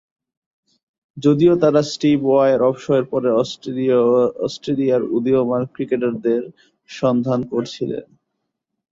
যদিও তারা Steve Waugh এর অবসরের পরে অস্ট্রেলিয়ার উদীয়মান ক্রিকেটারদের সন্ধানে করছিলেন।